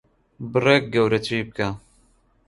بڕێک گەورەتری بکە.